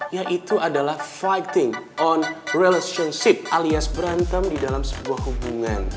yaitu adalah fighting on relationship alias berantem di dalam sebuah hubungan